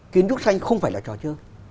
kiến trúc xanh không phải là trò chơi